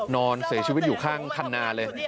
นอนเสียชีวิตอยู่ข้างคันนาเลย